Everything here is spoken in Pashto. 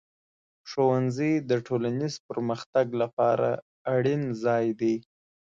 ښوونځی د ټولنیز پرمختګ لپاره اړین ځای دی.